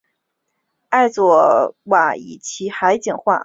艾瓦佐夫斯基以其海景画和海岸系列闻名。